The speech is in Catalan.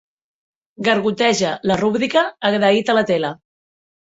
Gargoteja la rúbrica agraït a la tele.